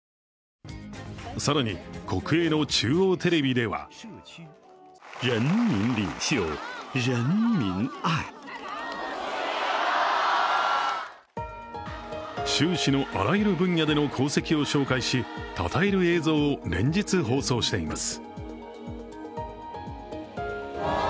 更に、国営の中央テレビでは習氏のあらゆる分野での功績を紹介したたえる映像を連日放送しています。